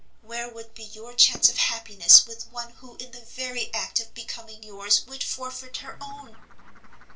where would be your chance of happiness with one who in the very act of becoming yours would forfeit her own!